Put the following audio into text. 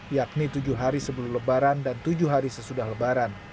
yakni tujuh hari sebelum lebaran dan tujuh hari sesudah lebaran